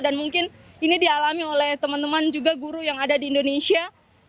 dan mungkin ini dialami oleh teman teman juga guru yang ada di indonesia